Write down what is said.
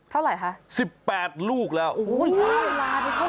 เท่าไหร่คะสิบแปดลูกแล้วโอ้โฮใช่